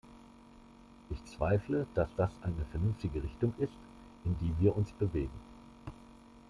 Ich zweifle, dass das eine vernünftige Richtung ist, in die wir uns bewegen.